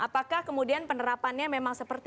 apakah kemudian penerapannya memang seperti